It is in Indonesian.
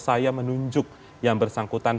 saya menunjuk yang bersangkutan